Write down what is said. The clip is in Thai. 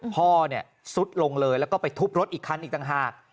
พ่อสุดลงเลยแล้วก็ไปทุบรถอีกคันอีกต่างหาก